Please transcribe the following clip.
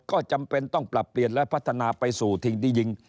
ก็จำเป็นต้องปรับเปลี่ยนและพัฒนาไปสู่สิ่งที่ยิง